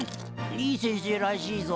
いい先生らしいぞ。